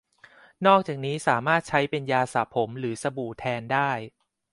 นอกจากนี้สามารถใช้เป็นยาสระผมหรือสบู่แทนได้